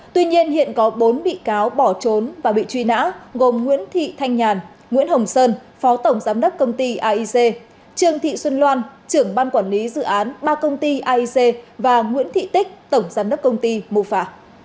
tuy nhiên hiện có bốn bị cáo bỏ trốn và bị truy nã gồm nguyễn thị thanh nhàn nguyễn hồng sơn phó tổng giám đốc công ty aic trương thị xuân loan trưởng ban quản lý dự án ba công ty aic và nguyễn thị tích tổng giám đốc công ty mô phả